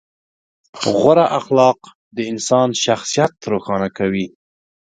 غوره اخلاق د انسان شخصیت روښانه کوي.